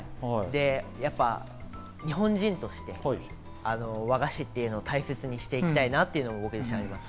日本人として和菓子というのを大切にしていきたいなというのが僕にあります。